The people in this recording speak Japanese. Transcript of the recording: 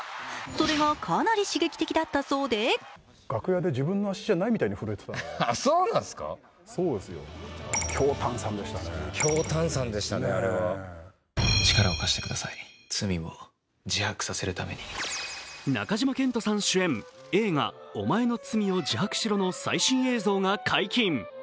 それがかなり刺激的だったそうで中島健人さん主演、映画「おまえの罪を自白しろ」の最新映像が解禁。